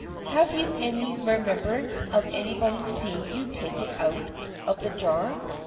Have you any remembrance of anybody 's seeing you take it out of the jar?"